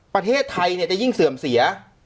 ประเทศไทยจะยิ่งเสื่อมเสีย